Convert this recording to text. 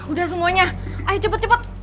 udah semuanya ayo cepet cepet